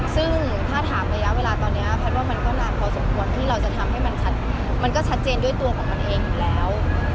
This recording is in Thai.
ซึ่งถ้าถามระยะเวลาตอนนี้แพทย์ว่ามันก็นานพอสมควรที่เราจะทำให้มันก็ชัดเจนด้วยตัวของมันเองอยู่แล้ว